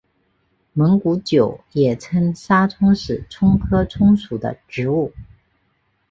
蒙古韭也称沙葱是葱科葱属的植物。